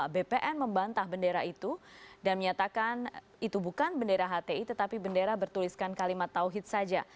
bpn membantah bendera itu dan menyatakan itu bukan bendera hti tetapi bendera bertuliskan kalimat tawhid saja